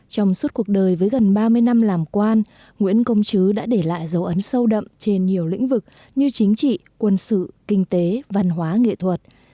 trong suốt cuộc đời với gần ba mươi năm làm quan nguyễn công chứ đã để lại dấu ấn sâu đậm trên nhiều lĩnh vực như chính trị quân sự kinh tế văn hóa nghệ thuật